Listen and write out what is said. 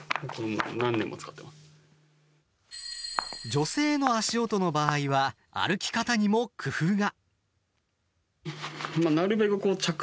女性の足音の場合は歩き方にも工夫が。